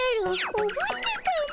おぶってたも。